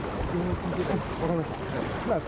分かりました。